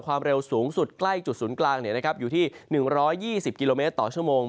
ความเร็วสูงสุดใกล้จุดศูนย์กลางอยู่ที่๑๒๐กิโลเมตรต่อชั่วโมง